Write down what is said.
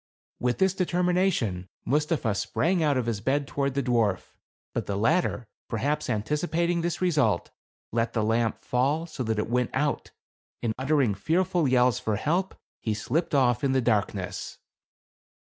With this determination, Mustapha sprang out of his bed toward the dwarf. But the latter, perhaps anticipating this result, let the lamp 176 THE CAB AVAN. fall so that it went out, and, uttering fearful yells for help, he slipped off in the darkness.